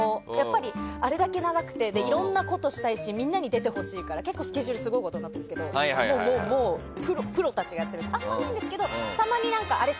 あれだけ長くていろんなことしたいしみんなに出てほしいから結構スケジュールはすごいことになっているんですけどもうプロたちがやってますからあまりないんですけど、たまにあれ？